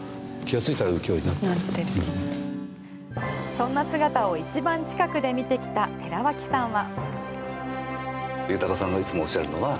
そんな姿を一番近くで見てきた寺町さんは。